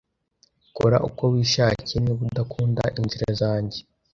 Kora uko wishakiye niba udakunda inzira zanjye.